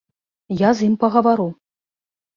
Я з ім пагавару.